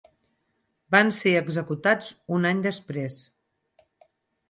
Van ser executats un any després.